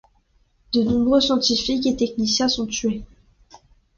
De nombreux scientifiques et techniciens sont tués.